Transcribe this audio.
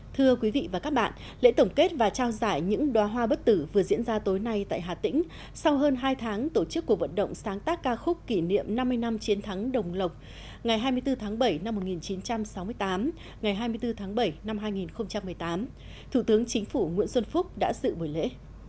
thưa quý vị và các bạn lễ tổng kết và trao giải những đoá hoa bất tử vừa diễn ra tối nay tại hà tĩnh sau hơn hai tháng tổ chức cuộc vận động sáng tác ca khúc kỷ niệm năm mươi năm chiến thắng đồng lộc ngày hai mươi bốn tháng bảy năm một nghìn chín trăm sáu mươi tám ngày hai mươi bốn tháng bảy năm hai nghìn một mươi tám thủ tướng chính phủ nguyễn xuân phúc đã dự buổi lễ